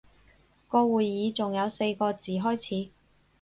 個會議仲有四個字開始